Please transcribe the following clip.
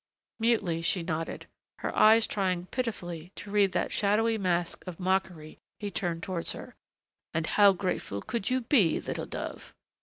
Mutely she nodded, her eyes trying pitifully to read that shadowy mask of mockery he turned towards her. "And how grateful could you be, little dove?"